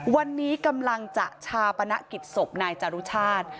วันนี้กำลังจะชาปนกฤทธิ์สบนายจรุชาส